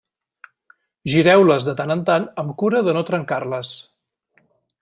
Gireu-les de tant en tant amb cura de no trencar-les.